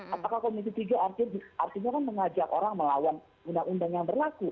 apakah komisi tiga artinya kan mengajak orang melawan undang undang yang berlaku